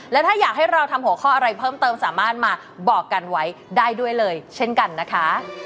และถ้าอยากให้เราทำหัวข้ออะไรเพิ่มเติมสามารถมาบอกกันไว้ได้ด้วยเลยเช่นกันนะคะ